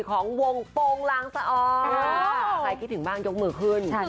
ใครคิดถึงบ้างยกมือขึ้น